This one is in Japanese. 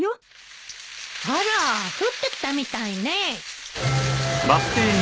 あら降ってきたみたいね。